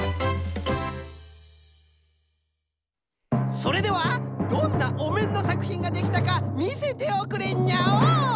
それではどんなおめんのさくひんができたかみせておくれにゃおん。